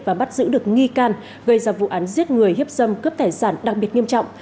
và bắt giữ được nghi can gây ra vụ án giết người hiếp dâm cướp tài sản đặc biệt nghiêm trọng